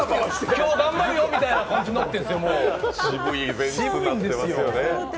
今日、頑張るよみたいな感じになってるんですよ、シブいんですよ。